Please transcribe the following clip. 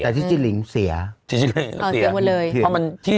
แต่ที่จิลิงก์เสีย